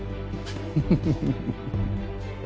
フフフフ。